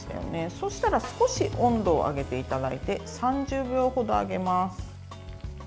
そうしたら少し温度を上げていただいて３０秒程、揚げます。